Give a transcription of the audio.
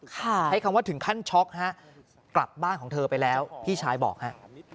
ใช้คำว่าถึงขั้นช็อกฮะกลับบ้านของเธอไปแล้วพี่ชายบอกฮะ